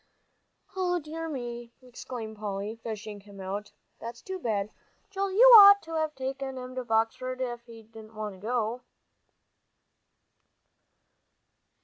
"O dear me," exclaimed Polly, fishing him out, "that's too bad! Joel, you oughtn't to have taken him to Boxford if he didn't want to go."